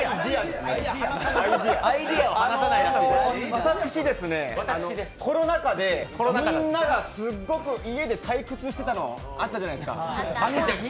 私ですね、コロナ禍でみんながすごく家で退屈してたのあったじゃないですか。